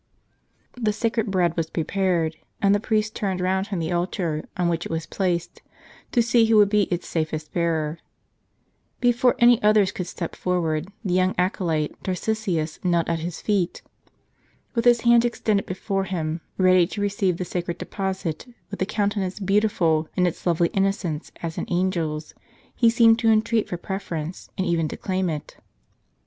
The sacred Bread was prepared, and the priest turned round from the altar on which it was placed, to see who would be its safest bearer. Before any other could step for * Acts of Lionese Martyrs, p. 319. ® U Li ward, the young acolyte Tarcisius knelt at his feet. With his hands extended before him, ready to receive the sacred deposit, with a countenance beautiful in its lovely innocence as an angel's, he seemed to entreat for preference, and even to claim it.